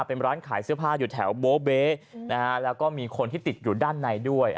เป็นร้านขายเสื้อผ้าอยู่แถวโบเบ๊แล้วก็มีคนที่ติดอยู่ด้านในด้วย